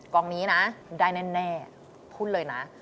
กองนี้นะได้แน่พูดเลยนะ